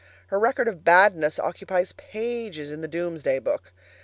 Her record of badnesses occupies pages in the Doomsday Book.